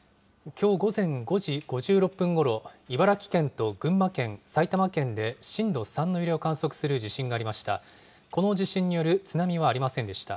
きょう午前５時５６分ごろ、茨城県と群馬県、埼玉県で震度３の揺れを観測する地震がありました。